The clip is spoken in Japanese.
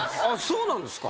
そうなんですか。